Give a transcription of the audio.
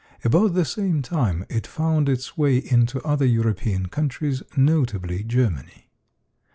About the same time it found its way into other European countries, notably Germany.